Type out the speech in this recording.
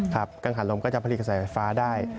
กังขาลมก็จะผลิตกระแสไฟฟ้าได้